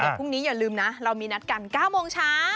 พรุ่งนี้อย่าลืมนะเรามีนัดกัน๙โมงเช้า